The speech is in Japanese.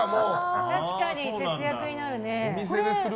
確かに、節約になるね。